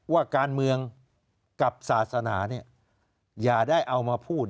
ว่าการเมืองกับศาสนาอย่าได้เอามาพูด